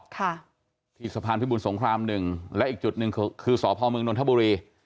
ที่สะพานภิบุลสงคราม๑และอีกจุด๑คือศพมนธบุรี